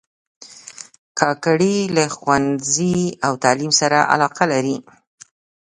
کاکړي له ښوونځي او تعلیم سره علاقه لري.